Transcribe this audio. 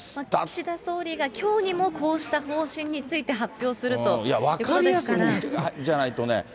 岸田総理がきょうにもこうした方針について発表するというこ分かりやすいのじゃないとね。